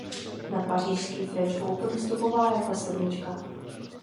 Na pařížský French Open vstupovala jako sedmička.